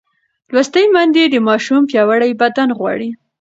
لوستې میندې د ماشوم پیاوړی بدن غواړي.